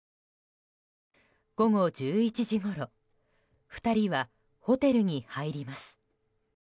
午後１１時ごろ２人はホテルに入ります。